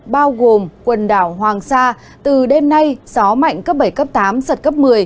bao gồm quần đảo hoàng sa từ đêm nay gió mạnh cấp bảy cấp tám giật cấp một mươi